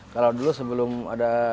kalau dulu sebelum ada